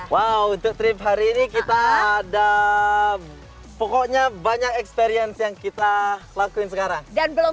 wow untuk trip hari ini kita ada pokoknya banyak experience yang kita lakuin sekarang dan belum